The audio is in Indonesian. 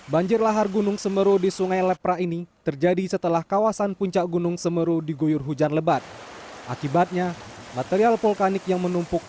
banjir lahar gunung semeru di sungai lepra ini terjadi setelah kawasan puncak gunung semeru di goyong